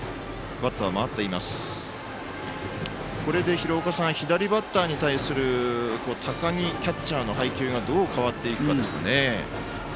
廣岡さん、左バッターに対する高木キャッチャーの配球がどう変わっていくかですね。